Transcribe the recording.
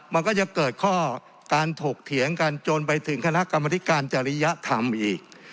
มันก็จะเกิดข้อการถกเถียงกันจนไปถึงคณะกรรมธิการจริยธรรมอีก